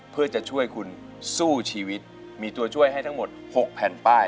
เพื่อจะช่วยคุณสู้ชีวิตมีตัวช่วยให้ทั้งหมด๖แผ่นป้าย